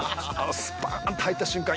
スパーンと入った瞬間